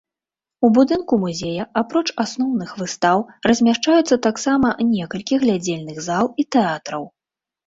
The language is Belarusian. У будынку музея, апроч асноўных выстаў, размяшчаюцца таксама некалькі глядзельных зал і тэатраў.